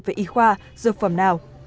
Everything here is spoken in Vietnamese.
về y khoa dược phẩm nào